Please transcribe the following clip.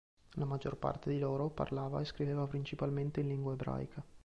La maggior parte di loro parlava e scriveva principalmente in lingua ebraica.